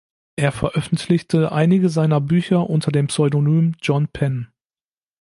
Er veröffentlichte einige seiner Bücher unter dem Pseudonym John Pen.